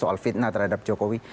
soal fitnah terhadap jokowi